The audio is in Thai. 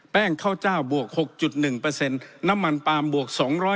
แป้งข้าวจ้าวบวก๖๑น้ำมันปลาบวก๒๙๖